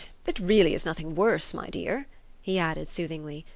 It it really is nothing worse, my dear," he added soothingly.